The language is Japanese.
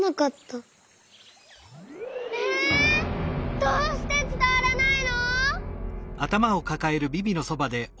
どうしてつたわらないの？